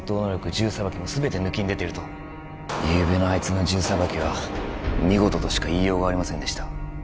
銃さばきも全て抜きんでているとゆうべのあいつの銃さばきは見事としか言いようがありませんでした